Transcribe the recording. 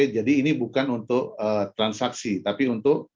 jadi ini bukan untuk transaksi tapi untuk analisis